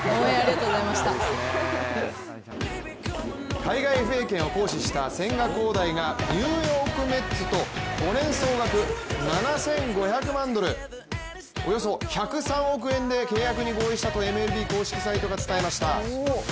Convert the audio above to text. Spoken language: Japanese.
海外ＦＡ権を行使した千賀滉大がニューヨーク・メッツと５年総額７５００万ドル、およそ１０３億円で契約に合意したとＭＬＢ公式サイトが伝えました。